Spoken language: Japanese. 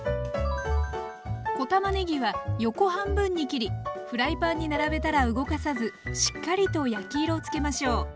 小たまねぎは横半分に切りフライパンに並べたら動かさずしっかりと焼き色をつけましょう。